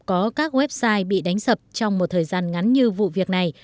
có các website bị đánh sập trong một thời gian ngắn như vụ việc này